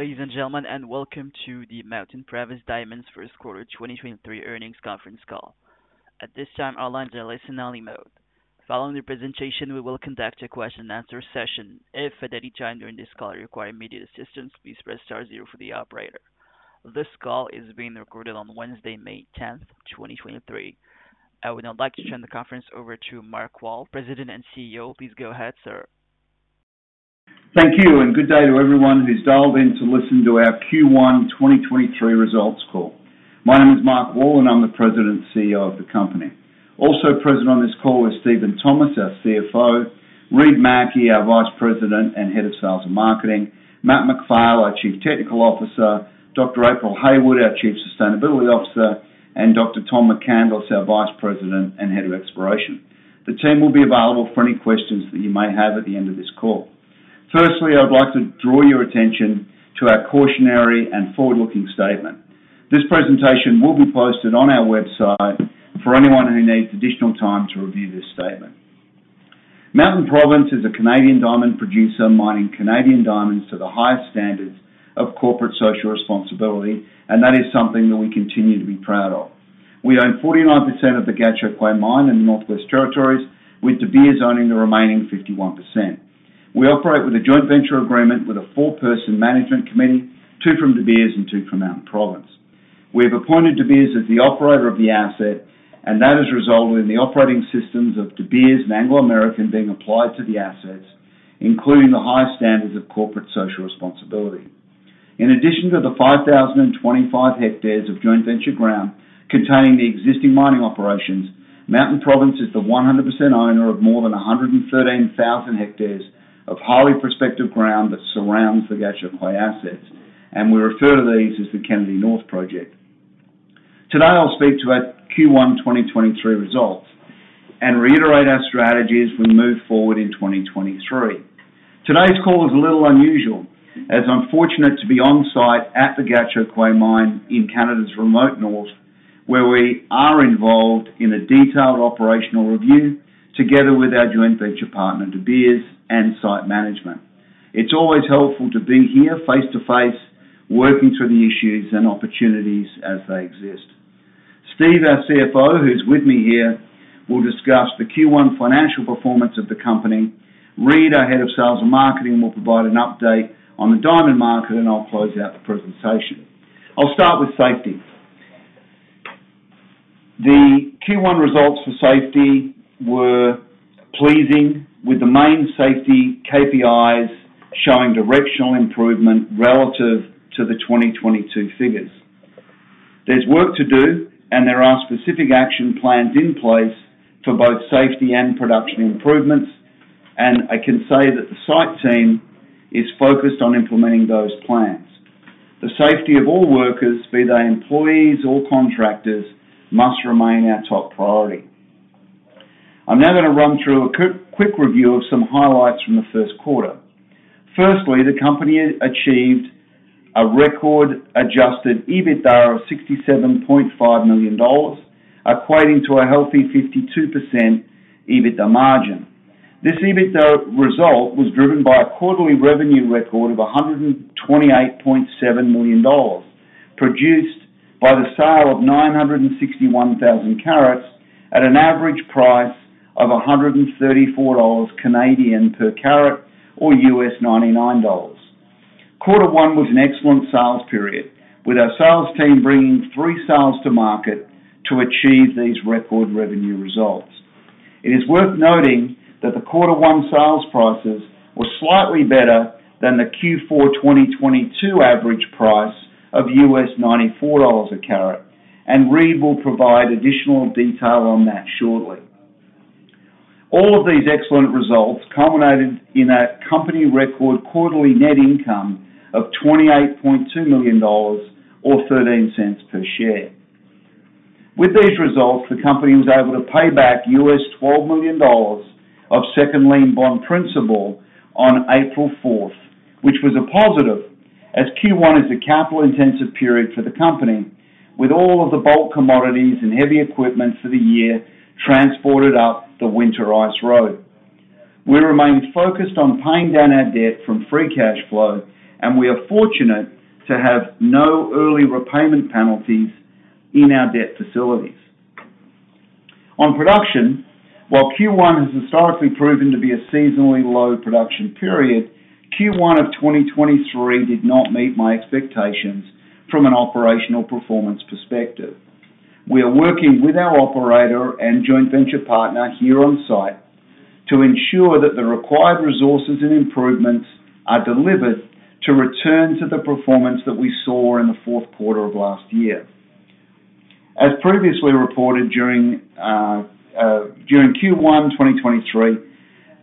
Ladies and gentlemen, welcome to the Mountain Province Diamonds 1st quarter 2023 earnings conference call. At this time, all lines are in listen-only mode. Following the presentation, we will conduct a question and answer session. If at any time during this call you require immediate assistance, please press star zero for the operator. This call is being recorded on Wednesday, May 10th, 2023. I would now like to turn the conference over to Mark Wall, President and CEO. Please go ahead, sir. Thank you. Good day to everyone who's dialed in to listen to our Q1 2023 results call. My name is Mark Wall, and I'm the president and CEO of the company. Also present on this call is Steven Thomas, our CFO, Reid Mackie, our Vice President and Head of Sales and Marketing, Matt MacPhail, our Chief Technical Officer, Dr. April Hayward, our Chief Sustainability Officer, and Dr. Tom McCandless, our Vice President and Head of Exploration. The team will be available for any questions that you may have at the end of this call. Firstly, I would like to draw your attention to our cautionary and forward-looking statement. This presentation will be posted on our website for anyone who needs additional time to review this statement. Mountain Province is a Canadian diamond producer mining Canadian diamonds to the highest standards of corporate social responsibility, and that is something that we continue to be proud of. We own 49% of the Gahcho Kué mine in the Northwest Territories, with De Beers owning the remaining 51%. We operate with a joint venture agreement with a four-person management committee, two from De Beers and two from Mountain Province. We have appointed De Beers as the operator of the asset, and that has resulted in the operating systems of De Beers and Anglo American being applied to the assets, including the highest standards of corporate social responsibility. In addition to the 5,025 hectares of joint venture ground containing the existing mining operations, Mountain Province is the 100% owner of more than 113,000 hectares of highly prospective ground that surrounds the Gahcho Kué assets, and we refer to these as the Kennady North Project. Today, I'll speak to our Q1 2023 results and reiterate our strategy as we move forward in 2023. Today's call is a little unusual, as I'm fortunate to be on site at the Gahcho Kué mine in Canada's remote north, where we are involved in a detailed operational review together with our joint venture partner, De Beers, and site management. It's always helpful to be here face-to-face, working through the issues and opportunities as they exist. Steve, our CFO, who's with me here, will discuss the Q1 financial performance of the company. Reid, our Head of Sales and Marketing, will provide an update on the diamond market. I'll close out the presentation. I'll start with safety. The Q1 results for safety were pleasing, with the main safety KPIs showing directional improvement relative to the 2022 figures. There's work to do. There are specific action plans in place for both safety and production improvements. I can say that the site team is focused on implementing those plans. The safety of all workers, be they employees or contractors, must remain our top priority. I'm now gonna run through a quick review of some highlights from the first quarter. Firstly, the company achieved a record Adjusted EBITDA of 67.5 million dollars, equating to a healthy 52% EBITDA margin. This EBITDA result was driven by a quarterly revenue record of 128.7 million dollars, produced by the sale of 961,000 carats at an average price of 134 Canadian dollars per carat or 99 US dollars. Q1 was an excellent sales period, with our sales team bringing three sales to market to achieve these record revenue results. It is worth noting that the Q1 sales prices were slightly better than the Q4 2022 average price of 94 US dollars a carat, and Reid will provide additional detail on that shortly. All of these excellent results culminated in a company record quarterly net income of 28.2 million dollars or 0.13 per share. With these results, the company was able to pay back $12 million of second lien bond principal on April 4th, which was a positive as Q1 is a capital-intensive period for the company, with all of the bulk commodities and heavy equipment for the year transported up the Winter Ice Road. We remain focused on paying down our debt from free cash flow. We are fortunate to have no early repayment penalties in our debt facilities. On production, while Q1 has historically proven to be a seasonally low production period, Q1 of 2023 did not meet my expectations from an operational performance perspective. We are working with our operator and joint venture partner here on site to ensure that the required resources and improvements are delivered to return to the performance that we saw in the fourth quarter of last year. As previously reported during Q1 2023,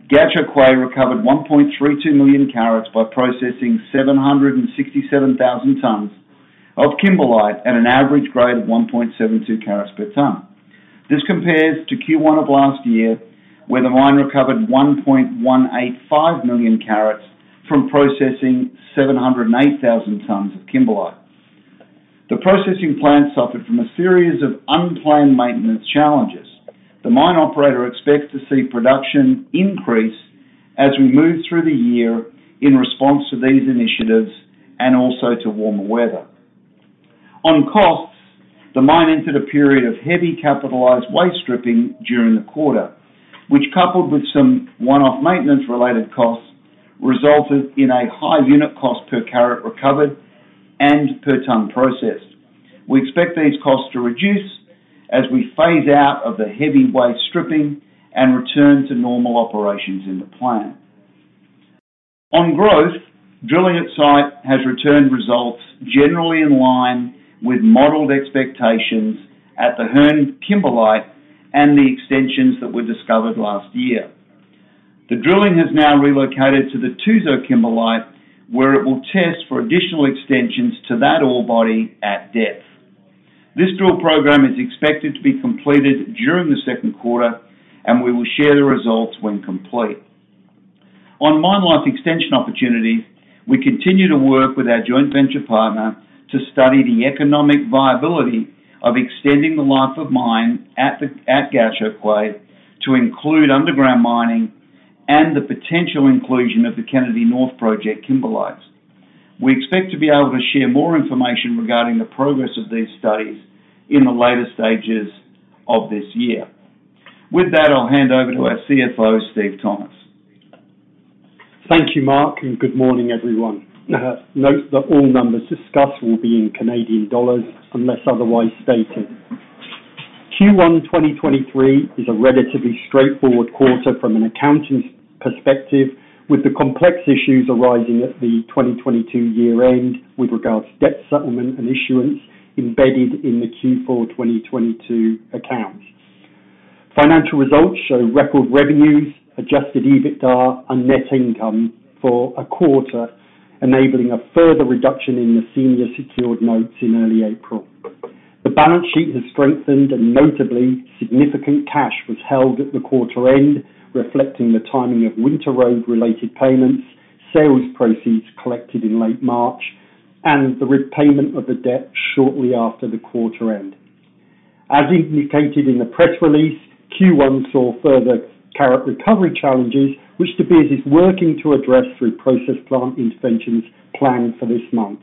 Gahcho Kué recovered 1.32 million carats by processing 767,000 tons of kimberlite at an average grade of 1.72 carats per ton. This compares to Q1 of last year, where the mine recovered 1.185 million carats from processing 708,000 tons of kimberlite. The processing plant suffered from a series of unplanned maintenance challenges. The mine operator expects to see production increase as we move through the year in response to these initiatives and also to warmer weather. On costs, the mine entered a period of heavy capitalized waste stripping during the quarter, which, coupled with some one-off maintenance related costs, resulted in a high unit cost per carat recovered and per ton processed. We expect these costs to reduce as we phase out of the heavy waste stripping and return to normal operations in the plant. On growth, drilling at site has returned results generally in line with modeled expectations at the Hearne kimberlite and the extensions that were discovered last year. The drilling has now relocated to the Tuzo kimberlite, where it will test for additional extensions to that ore body at depth. This drill program is expected to be completed during the second quarter, and we will share the results when complete. On mine life extension opportunity, we continue to work with our joint venture partner to study the economic viability of extending the life of mine at Gahcho Kué to include underground mining and the potential inclusion of the Kennady North project kimberlite. We expect to be able to share more information regarding the progress of these studies in the later stages of this year. With that, I'll hand over to our CFO, Steve Thomas. Thank you, Mark, and good morning, everyone. Note that all numbers discussed will be in Canadian dollars unless otherwise stated. Q1 2023 is a relatively straightforward quarter from an accounting perspective, with the complex issues arising at the 2022 year end with regards to debt settlement and issuance embedded in the Q4 2022 accounts. Financial results show record revenues, Adjusted EBITDA and net income for a quarter, enabling a further reduction in the senior secured notes in early April. The balance sheet has strengthened and notably significant cash was held at the quarter end, reflecting the timing of Winter Road related payments, sales proceeds collected in late March, and the repayment of the debt shortly after the quarter end. As indicated in the press release, Q1 saw further carat recovery challenges, which De Beers is working to address through process plant interventions planned for this month.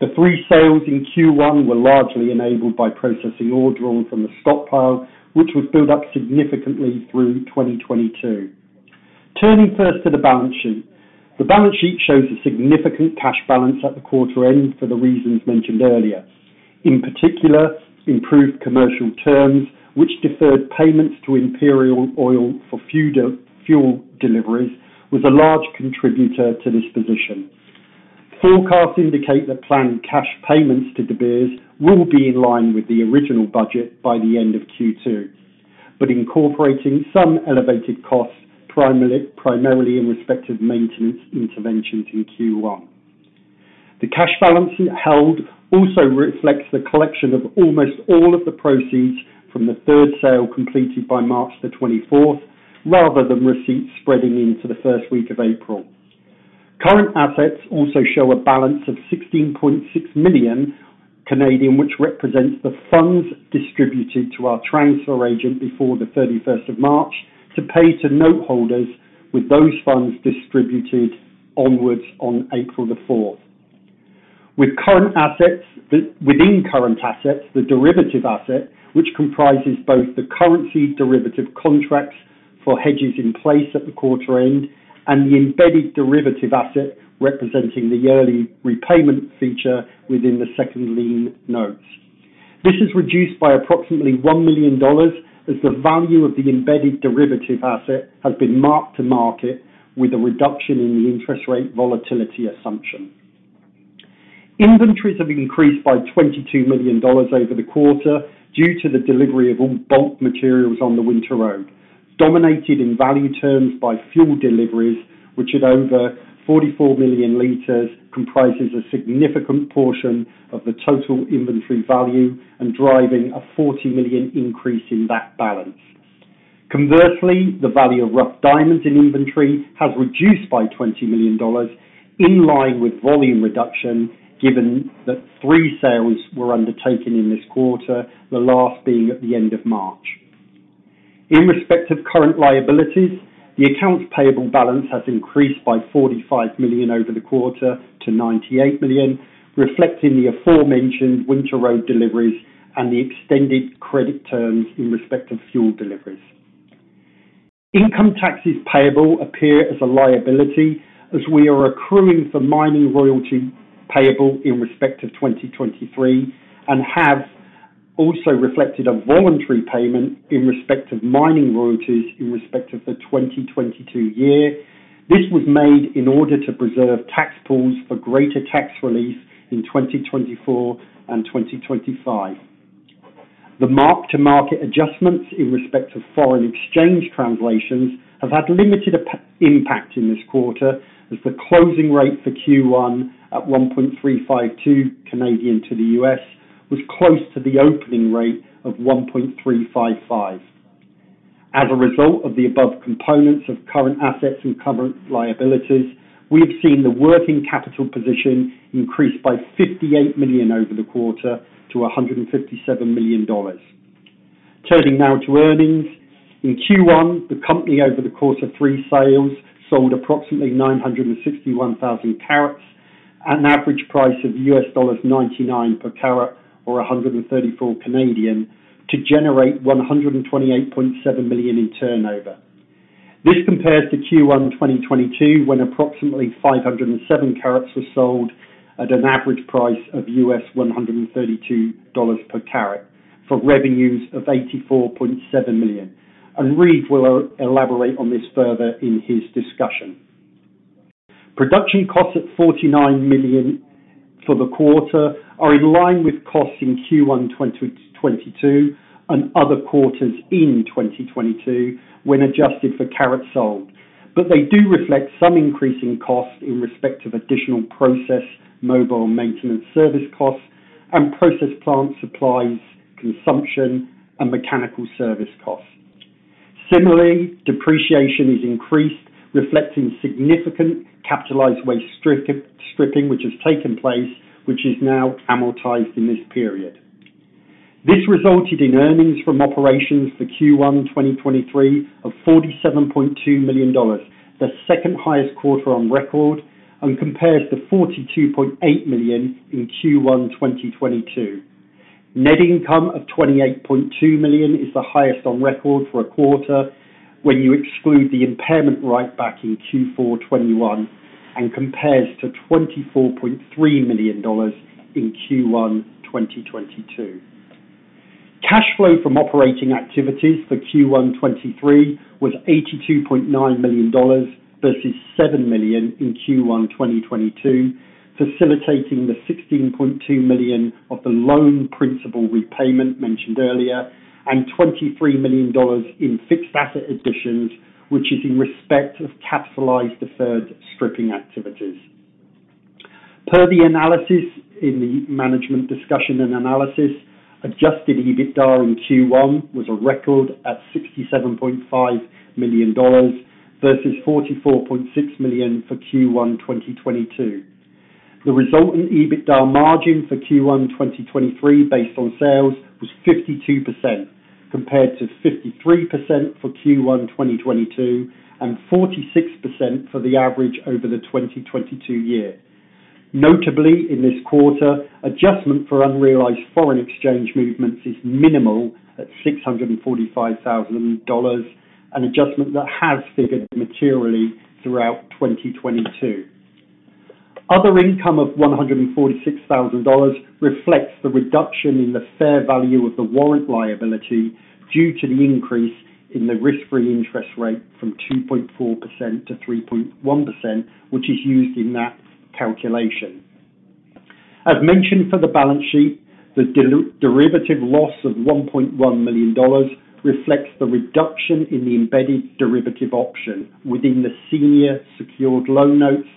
The three sales in Q1 were largely enabled by processing ore drawn from the stockpile, which was built up significantly through 2022. Turning first to the balance sheet. The balance sheet shows a significant cash balance at the quarter end for the reasons mentioned earlier. In particular, improved commercial terms, which deferred payments to Imperial Oil for fuel deliveries, was a large contributor to this position. Forecasts indicate that planned cash payments to De Beers will be in line with the original budget by the end of Q2, incorporating some elevated costs, primarily in respect of maintenance interventions in Q1. The cash balance held also reflects the collection of almost all of the proceeds from the third sale completed by March 24, rather than receipts spreading into the first week of April. Current assets also show a balance of 16.6 million, which represents the funds distributed to our transfer agent before the 31st of March to pay to note holders with those funds distributed onwards on April 4th. With current assets, within current assets, the derivative asset, which comprises both the currency derivative contracts for hedges in place at the quarter end and the embedded derivative asset representing the yearly repayment feature within the second lien notes. This is reduced by approximately 1 million dollars as the value of the embedded derivative asset has been marked to market with a reduction in the interest rate volatility assumption. Inventories have increased by 22 million dollars over the quarter due to the delivery of all bulk materials on the Winter Road, dominated in value terms by fuel deliveries, which at over 44 million liters, comprises a significant portion of the total inventory value and driving a 40 million increase in that balance. The value of rough diamonds in inventory has reduced by 20 million dollars in line with volume reduction, given that three sales were undertaken in this quarter, the last being at the end of March. In respect of current liabilities, the accounts payable balance has increased by 45 million over the quarter to 98 million, reflecting the aforementioned Winter Road deliveries and the extended credit terms in respect of fuel deliveries. Income taxes payable appear as a liability as we are accruing for mining royalty payable in respect of 2023, and have also reflected a voluntary payment in respect of mining royalties in respect of the 2022 year. This was made in order to preserve tax pools for greater tax relief in 2024 and 2025. The mark-to-market adjustments in respect of foreign exchange translations have had limited impact in this quarter, as the closing rate for Q1 at 1.352 Canadian to the USD was close to the opening rate of 1.355. As a result of the above components of current assets and current liabilities, we have seen the working capital position increase by 58 million over the quarter to 157 million dollars. Turning now to earnings. In Q1, the company over the course of three sales, sold approximately 961,000 carats at an average price of US$99 per carat or 134 to generate $128.7 million in turnover. This compares to Q1 2022, when approximately 507 carats were sold at an average price of US$132 per carat for revenues of $84.7 million. Reid will elaborate on this further in his discussion. Production costs at $49 million for the quarter are in line with costs in Q1 2022 and other quarters in 2022 when adjusted for carat sold. They do reflect some increase in costs in respect of additional process, mobile maintenance service costs, and process plant supplies, consumption, and mechanical service costs. Similarly, depreciation is increased, reflecting significant capitalized waste strip-stripping which has taken place, which is now amortized in this period. This resulted in earnings from operations for Q1 2023 of 47.2 million dollars, the second highest quarter on record, and compares to 42.8 million in Q1 2022. Net income of 28.2 million is the highest on record for a quarter when you exclude the impairment write back in Q4 2021 and compares to 24.3 million dollars in Q1 2022. Cash flow from operating activities for Q1 2023 was 82.9 million dollars versus 7 million in Q1 2022, facilitating the 16.2 million of the loan principal repayment mentioned earlier and 23 million dollars in fixed asset additions, which is in respect of capitalized deferred stripping activities. Per the analysis in the Management's Discussion and Analysis, adjusted EBITDA in Q1 was a record at 67.5 million dollars versus 44.6 million for Q1 2022. The resultant EBITDA margin for Q1 2023 based on sales was 52%, compared to 53% for Q1 2022, and 46% for the average over the 2022 year. Notably, in this quarter, adjustment for unrealized foreign exchange movements is minimal at 645,000 dollars, an adjustment that has figured materially throughout 2022. Other income of 146,000 dollars reflects the reduction in the fair value of the warrant liability due to the increase in the risk-free interest rate from 2.4% to 3.1%, which is used in that calculation. As mentioned for the balance sheet, the de-derivative loss of 1.1 million dollars reflects the reduction in the embedded derivative option within the senior secured loan notes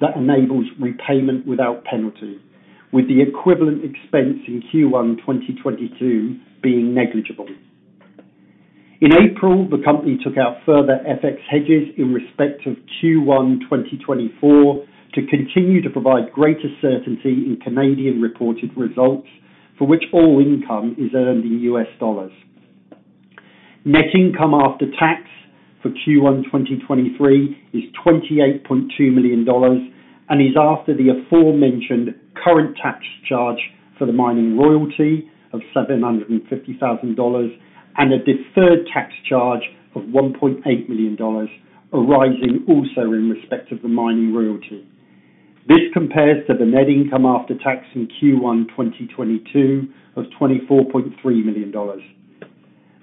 that enables repayment without penalty, with the equivalent expense in Q1 2022 being negligible. In April, the company took out further FX hedges in respect of Q1 2024 to continue to provide greater certainty in Canadian reported results, for which all income is earned in U.S. dollars. Net income after tax for Q1 2023 is 28.2 million dollars and is after the aforementioned current tax charge for the mining royalty of 750,000 dollars and a deferred tax charge of 1.8 million dollars, arising also in respect of the mining royalty. This compares to the net income after tax in Q1 2022 of 24.3 million dollars.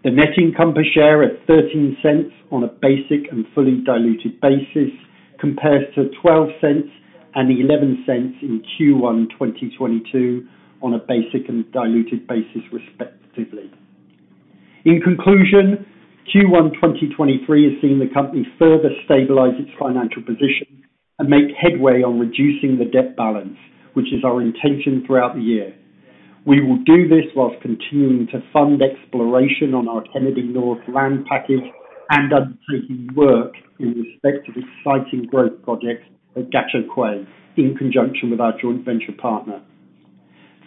The net income per share at $0.13 on a basic and fully diluted basis compares to $0.12 and $0.11 in Q1 2022 on a basic and diluted basis, respectively. In conclusion, Q1 2023 has seen the company further stabilize its financial position and make headway on reducing the debt balance, which is our intention throughout the year. We will do this whilst continuing to fund exploration on our Kennady North land package and undertaking work in respect of exciting growth projects at Gahcho Kué in conjunction with our joint venture partner.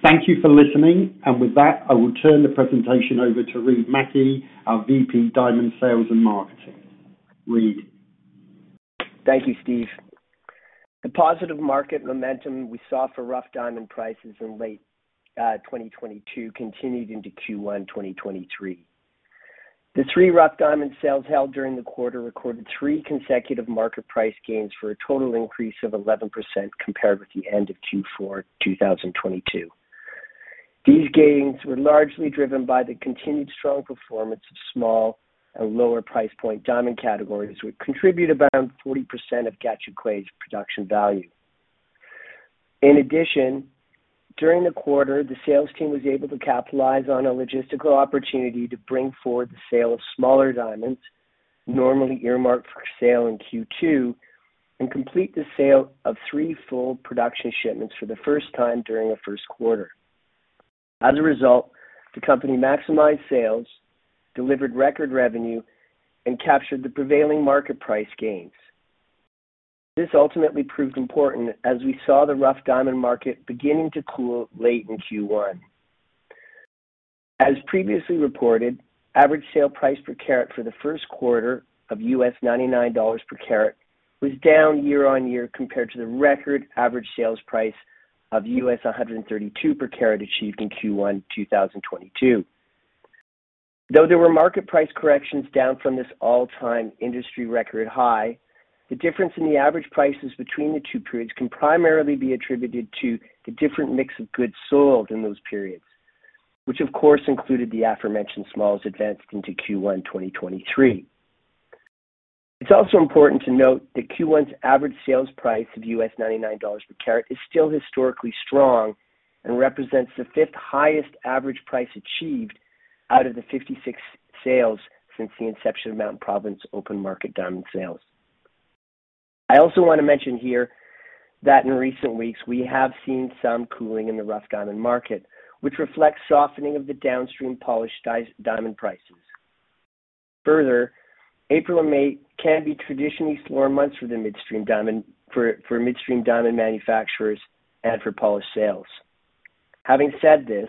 Thank you for listening. With that, I will turn the presentation over to Reid Mackie, our VP Diamond Sales and Marketing. Reid? Thank you, Steve. The positive market momentum we saw for rough diamond prices in late 2022 continued into Q1 2023. The three rough diamond sales held during the quarter recorded 3 consecutive market price gains for a total increase of 11% compared with the end of Q4 2022. These gains were largely driven by the continued strong performance of small and lower price point diamond categories, which contribute around 0% of Gahcho Kué's production value. In addition, during the quarter, the sales team was able to capitalize on a logistical opportunity to bring forward the sale of smaller diamonds, normally earmarked for sale in Q2, and complete the sale of three full production shipments for the first time during a first quarter. As a result, the company maximized sales, delivered record revenue, and captured the prevailing market price gains. This ultimately proved important as we saw the rough diamond market beginning to cool late in Q1. As previously reported, average sale price per carat for the first quarter of $99 per carat was down year-on-year compared to the record average sales price of $132 per carat achieved in Q1 2022. Though there were market price corrections down from this all-time industry record high, the difference in the average prices between the two periods can primarily be attributed to the different mix of goods sold in those periods, which of course included the aforementioned smalls advanced into Q1 2023. It's also important to note that Q1's average sales price of US$99 per carat is still historically strong and represents the fifth highest average price achieved out of the 56 sales since the inception of Mountain Province open market diamond sales. I also want to mention here that in recent weeks we have seen some cooling in the rough diamond market, which reflects softening of the downstream polished diamond prices. Further, April and May can be traditionally slower months for the midstream diamond for midstream diamond manufacturers and for polished sales. Having said this,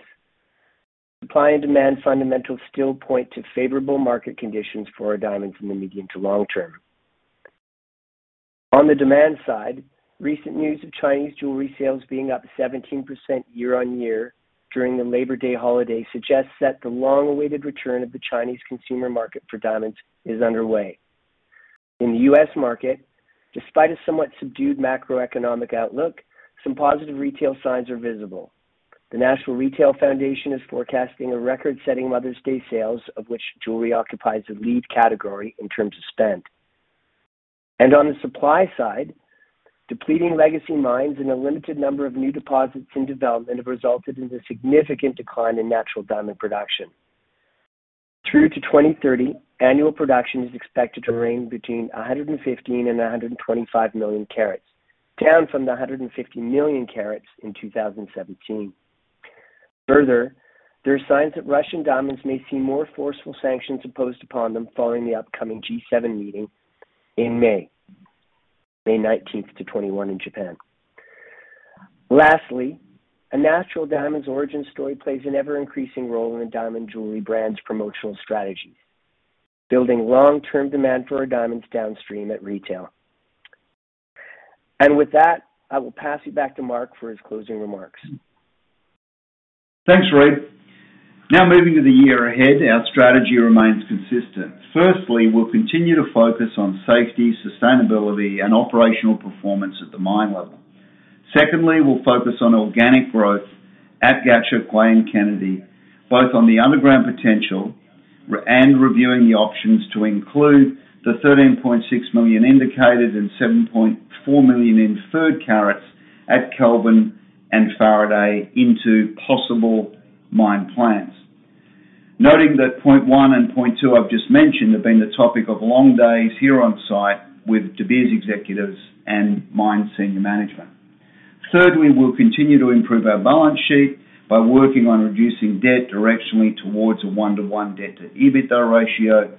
supply and demand fundamentals still point to favorable market conditions for our diamonds in the medium to long term. On the demand side, recent news of Chinese jewelry sales being up 17% year on year during the Labor Day holiday suggests that the long-awaited return of the Chinese consumer market for diamonds is underway. In the U.S. market, despite a somewhat subdued macroeconomic outlook, some positive retail signs are visible. The National Retail Federation is forecasting a record setting Mother's Day sales, of which jewelry occupies a lead category in terms of spend. On the supply side, depleting legacy mines and a limited number of new deposits in development have resulted in a significant decline in natural diamond production. Through to 2030, annual production is expected to range between 115-125 million carats, down from the 150 million carats in 2017. Further, there are signs that Russian diamonds may see more forceful sanctions imposed upon them following the upcoming G7 meeting in May 19-21 in Japan. Lastly, a natural diamond's origin story plays an ever-increasing role in a diamond jewelry brand's promotional strategy, building long-term demand for our diamonds downstream at retail. With that, I will pass you back to Mark for his closing remarks. Thanks, Reid. Now moving to the year ahead, our strategy remains consistent. Firstly, we'll continue to focus on safety, sustainability and operational performance at the mine level. Secondly, we'll focus on organic growth at Gahcho Kué, Kelvin and Kennady, both on the underground potential and reviewing the options to include the 13.6 million indicated and 7.4 million inferred carats at Kelvin and Faraday into possible mine plans. Noting that point one and point two I've just mentioned have been the topic of long days here on site with De Beers executives and mine senior management. Thirdly, we'll continue to improve our balance sheet by working on reducing debt directionally towards a 1-to-1 debt to EBITDA ratio.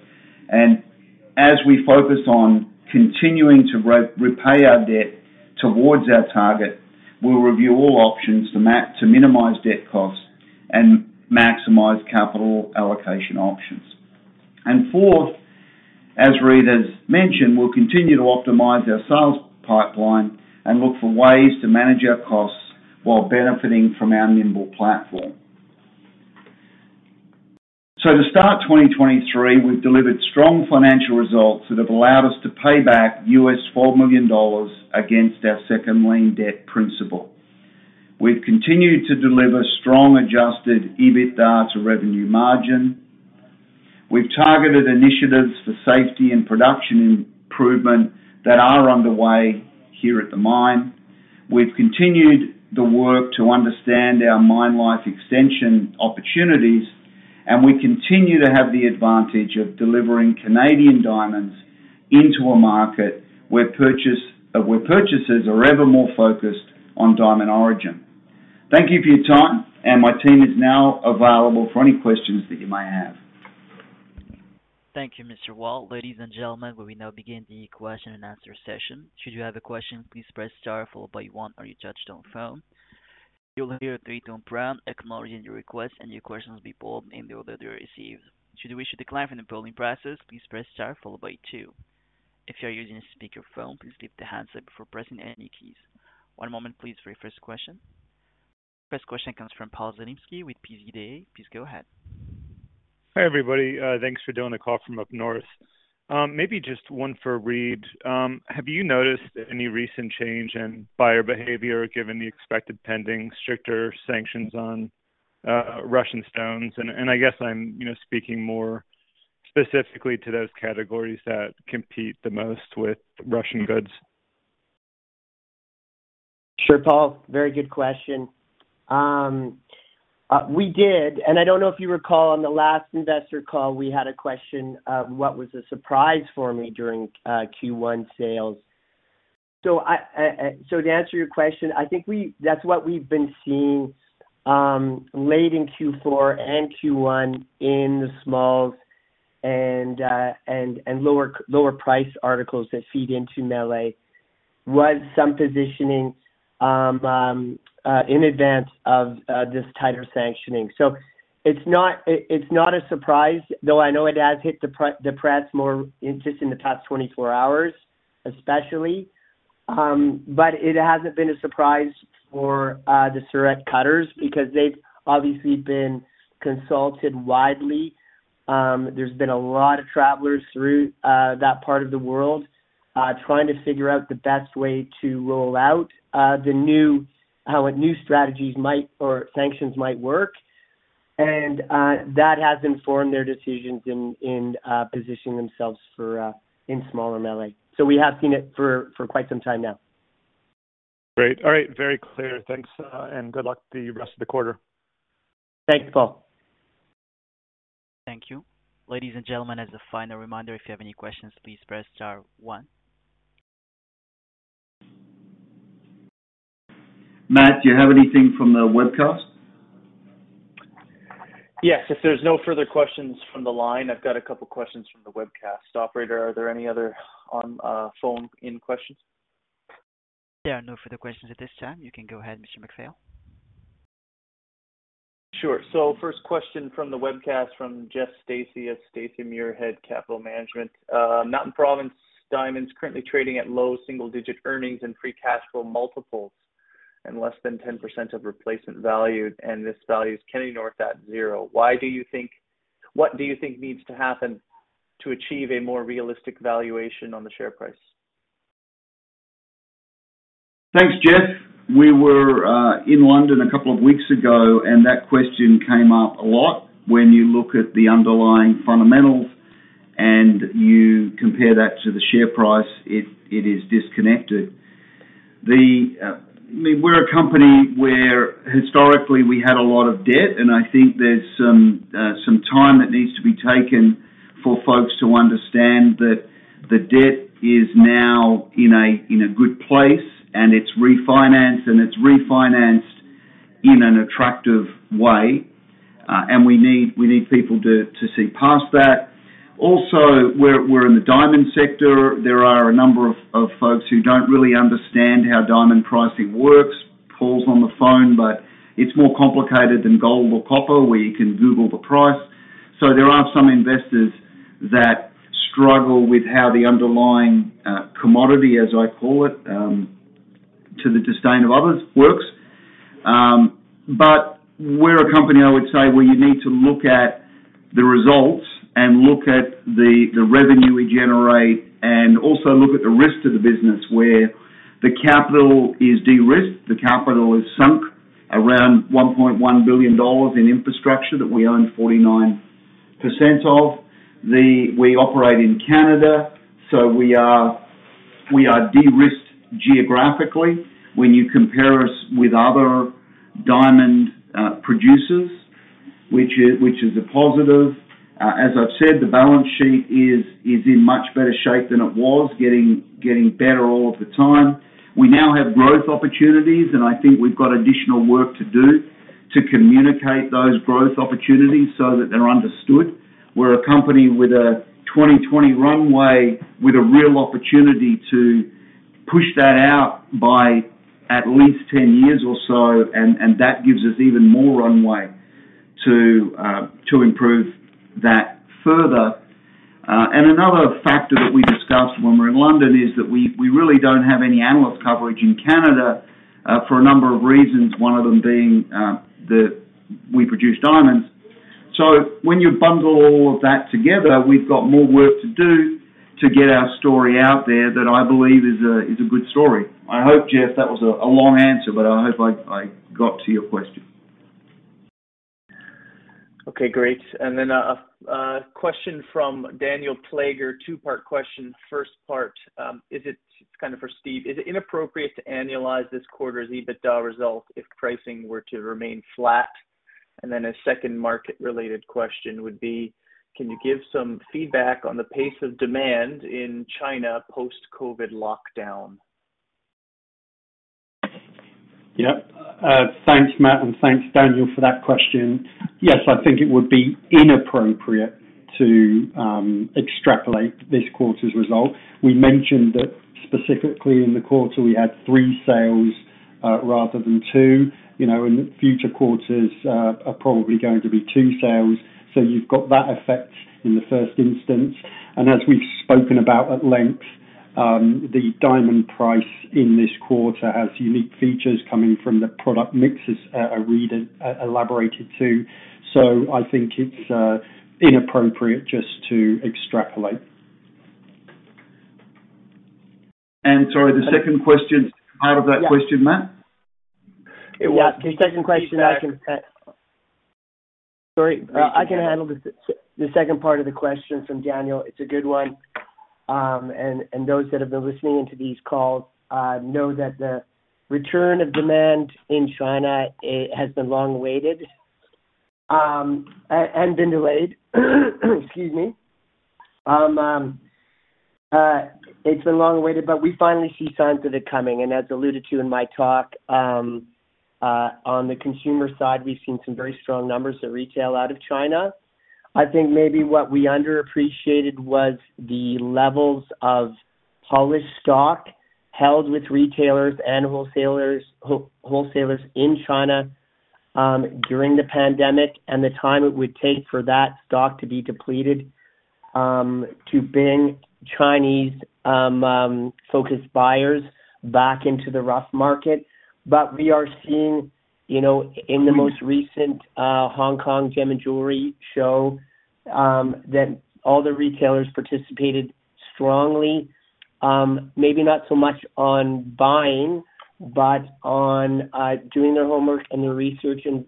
As we focus on continuing to repay our debt towards our target, we'll review all options to minimize debt costs and maximize capital allocation options. Fourth, as Reid has mentioned, we'll continue to optimize our sales pipeline and look for ways to manage our costs while benefiting from our nimble platform. To start 2023, we've delivered strong financial results that have allowed us to pay back US $4 million against our second lien debt principal. We've continued to deliver strong Adjusted EBITDA to revenue margin. We've targeted initiatives for safety and production improvement that are underway here at the mine. We've continued the work to understand our mine life extension opportunities, and we continue to have the advantage of delivering Canadian diamonds into a market where purchases are ever more focused on diamond origin. Thank you for your time, and my team is now available for any questions that you may have. Thank you, Mr. Wall. Ladies and gentlemen, we will now begin the question and answer session. Should you have a question, please press star one on your touchtone phone. You'll hear a three-tone prompt acknowledging your request, and your question will be pulled in the order they are received. Should you wish to decline from the polling process, please press star two. If you are using a speakerphone, please keep the handset before pressing any keys. One moment please for your first question. First question comes from Paul Zalinsky with PZDA. Please go ahead. Hi, everybody. Thanks for doing the call from up north. Maybe just one for Reid. Have you noticed any recent change in buyer behavior given the expected pending stricter sanctions on Russian stones? I guess I'm, you know, speaking more specifically to those categories that compete the most with Russian goods. Sure, Paul. Very good question. We did, and I don't know if you recall on the last investor call, we had a question of what was a surprise for me during Q1 sales. I so to answer your question, I think we that's what we've been seeing late in Q4 and Q1 in the smalls and lower price articles that feed into melee, was some positioning in advance of this tighter sanctioning. It's not, it's not a surprise, though I know it has hit the press more just in the past 24 hours, especially. It hasn't been a surprise for the Surat cutters because they've obviously been consulted widely. There's been a lot of travelers through that part of the world trying to figure out the best way to roll out the new how a new strategies might or sanctions might work. That has informed their decisions in positioning themselves for in smaller melee. We have seen it for quite some time now. Great. All right. Very clear. Thanks. Good luck with the rest of the quarter. Thanks, Paul. Thank you. Ladies and gentlemen, as a final reminder, if you have any questions, please press star one. Matt, do you have anything from the webcast? Yes. If there's no further questions from the line, I've got a couple of questions from the webcast. Operator, are there any other on phone in questions? There are no further questions at this time. You can go ahead, Mr. MacPhail. Sure. First question from the webcast from Jeffrey Stacey at Stacey Muirhead Capital Management. Mountain Province Diamonds currently trading at low single-digit earnings and free cash flow multiples and less than 10% of replacement value, and this value is Kennady North at zero. What do you think needs to happen to achieve a more realistic valuation on the share price? Thanks, Jeff. We were in London a couple of weeks ago, that question came up a lot. When you look at the underlying fundamentals and you compare that to the share price, it is disconnected. I mean, we're a company where historically we had a lot of debt, I think there's some time that needs to be taken for folks to understand that the debt is now in a good place, it's refinanced, and it's refinanced in an attractive way. We need people to see past that. Also, we're in the diamond sector. There are a number of folks who don't really understand how diamond pricing works. Paul's on the phone, it's more complicated than gold or copper, where you can Google the price. There are some investors that struggle with how the underlying commodity, as I call it, to the disdain of others, works. We're a company, I would say, where you need to look at the results and look at the revenue we generate and also look at the risk to the business where the capital is de-risked, the capital is sunk around 1.1 billion dollars in infrastructure that we own 49% of. We operate in Canada, so we are de-risked geographically when you compare us with other diamond producers, which is a positive. As I've said, the balance sheet is in much better shape than it was, getting better all of the time. We now have growth opportunities, and I think we've got additional work to do to communicate those growth opportunities so that they're understood. We're a company with a 2020 runway with a real opportunity to push that out by at least 10 years or so, and that gives us even more runway to improve that further. Another factor that we discussed when we're in London is that we really don't have any analyst coverage in Canada for a number of reasons, one of them being that we produce diamonds. When you bundle all of that together, we've got more work to do to get our story out there that I believe is a good story. I hope, Jeff, that was a long answer, but I hope I got to your question. Okay, great. A question from Daniel Plager. Two-part question. First part, it's kind of for Steve. Is it inappropriate to annualize this quarter's EBITDA result if pricing were to remain flat? A second market-related question would be, can you give some feedback on the pace of demand in China post-COVID lockdown? Thanks, Matt, and thanks, Daniel, for that question. Yes, I think it would be inappropriate to extrapolate this quarter's result. We mentioned that specifically in the quarter we had three sales, rather than two. You know, in the future quarters, are probably going to be two sales. You've got that effect in the first instance. As we've spoken about at length, the diamond price in this quarter has unique features coming from the product mixes Reid elaborated to. I think it's inappropriate just to extrapolate. sorry, the second question, part of that question, Matt? Yeah. The second question, I can handle the second part of the question from Daniel. It's a good one. Those that have been listening to these calls know that the return of demand in China, it has been long awaited. Been delayed. Excuse me. It's been long awaited, but we finally see signs of it coming. As alluded to in my talk, on the consumer side, we've seen some very strong numbers at retail out of China. I think maybe what we underappreciated was the levels of polished stock held with retailers and wholesalers in China, during the pandemic, and the time it would take for that stock to be depleted, to bring Chinese focused buyers back into the rough market. We are seeing, you know, in the most recent Hong Kong gem and jewelry show, that all the retailers participated strongly. Maybe not so much on buying, but on doing their homework and their research and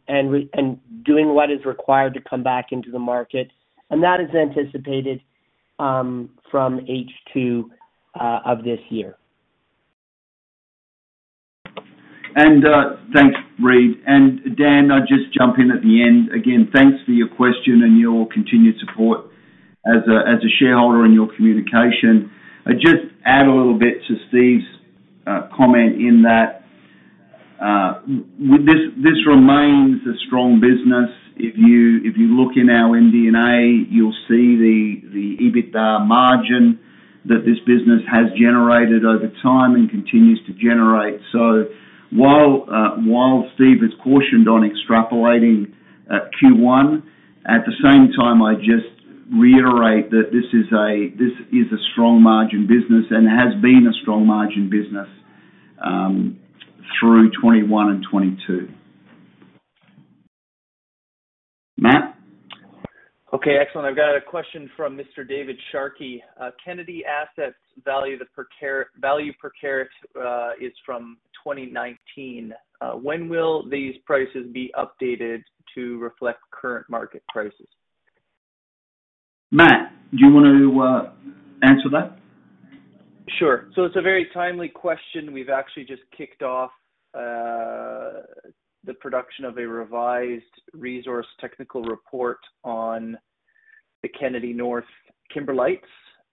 doing what is required to come back into the market. That is anticipated from H2 of this year. Thanks, Reid. Dan, I'll just jump in at the end. Again, thanks for your question and your continued support as a shareholder and your communication. I just add a little bit to Steve's comment in that with this remains a strong business. If you look in our MD&A, you'll see the EBITDA margin that this business has generated over time and continues to generate. While Steve is cautioned on extrapolating Q1, at the same time, I just reiterate that this is a strong margin business and has been a strong margin business through 2021 and 2022. Matt? Okay, excellent. I've got a question from Mr. David Sharkey. Kennady assets value per carat is from 2019. When will these prices be updated to reflect current market prices? Matt, do you want to answer that? Sure. It's a very timely question. We've actually just kicked off the production of a revised resource technical report on the Kennady North Kimberlites,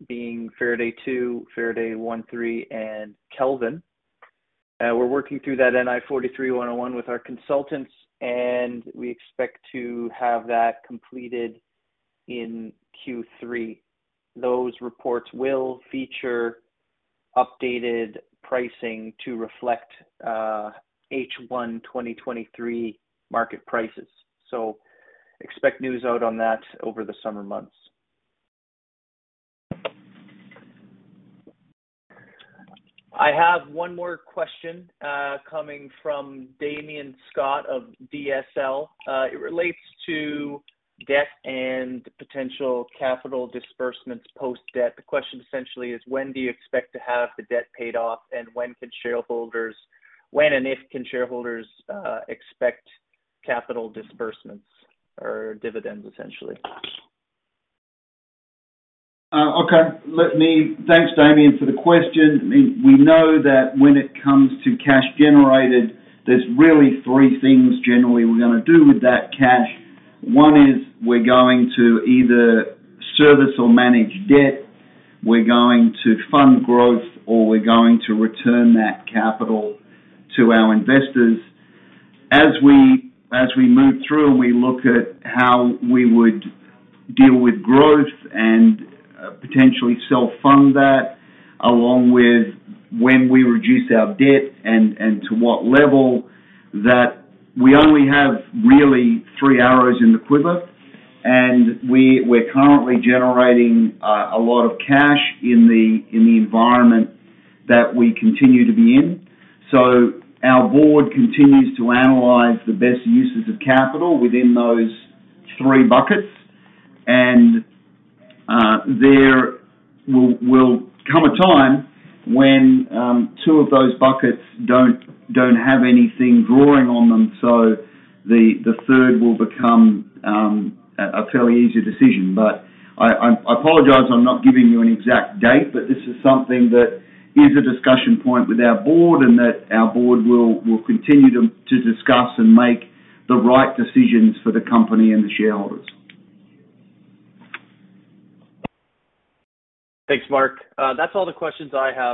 being Faraday Two, Faraday One-Three, and Kelvin. We're working through that NI 43-101 with our consultants, and we expect to have that completed in Q3. Those reports will feature updated pricing to reflect H1 2023 market prices. Expect news out on that over the summer months. I have one more question coming from Damian Scott of DSL Capital Management. It relates to debt and potential capital disbursements post-debt. The question essentially is, when do you expect to have the debt paid off? When and if can shareholders expect capital disbursements or dividends, essentially? Okay. Thanks, Damian, for the question. We know that when it comes to cash generated, there's really three things, generally, we're gonna do with that cash. One is we're going to either service or manage debt. We're going to fund growth, or we're going to return that capital to our investors. As we move through and we look at how we would deal with growth and potentially self-fund that, along with when we reduce our debt and to what level, that we only have really three arrows in the quiver. We're currently generating a lot of cash in the environment that we continue to be in. Our board continues to analyze the best uses of capital within those three buckets. There will come a time when two of those buckets don't have anything drawing on them, so the third will become a fairly easy decision. I apologize I'm not giving you an exact date. This is something that is a discussion point with our board and that our board will continue to discuss and make the right decisions for the company and the shareholders. Thanks, Mark. That's all the questions I have.